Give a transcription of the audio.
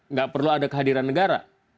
nggak perlu ada kehadiran negara